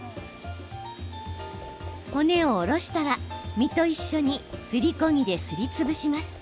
骨をおろしたら、身と一緒にすりこ木で、すりつぶします。